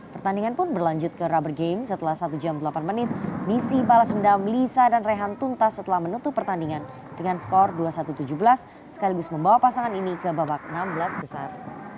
pertandingan dengan skor dua satu tujuh belas sekaligus membawa pasangan ini ke babak enam belas besar